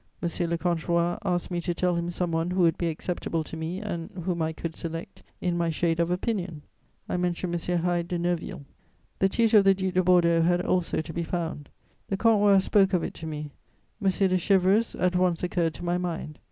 M. le Comte Roy asked me to tell him some one who would be acceptable to me and whom I would select, in my shade of opinion. I mentioned M. Hyde de Neuville. The tutor of the Duc de Bordeaux had also to be found; the Comte Roy spoke of it to me: M. de Chéverus at once occurred to my mind.